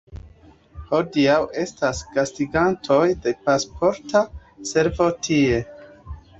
Hodiaŭ estas gastigantoj de Pasporta Servo tie.